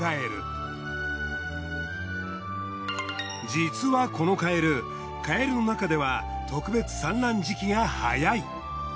実はこのカエルカエルのなかでは特別産卵時期が早い。